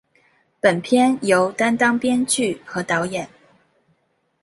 本片由担纲编剧和导演。